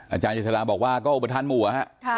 อาจารย์อิสระบอกว่าก็อุบัติธรรมหมู่ครับ